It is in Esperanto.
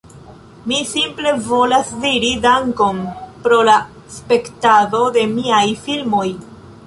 Mi simple volas diri "Dankon" pro la spektado de miaj filmoj.